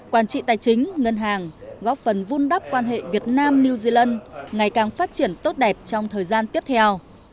quản trị tài chính ngân hàng góp phần vun đắp quan hệ việt nam new zealand ngày càng phát triển tốt đẹp trong thời gian tiếp theo